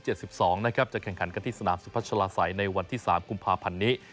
จะแข่งขันกันที่สนามสุพัชลาศัยในวันที่๓กุมภาพันธ์นี้